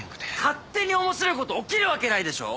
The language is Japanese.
勝手に面白いこと起きるわけないでしょ！